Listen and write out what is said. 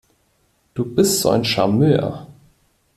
Du bist so ein Charmeur!